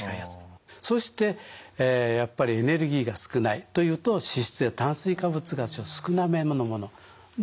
そしてやっぱりエネルギーが少ないというと脂質や炭水化物が少なめのもの。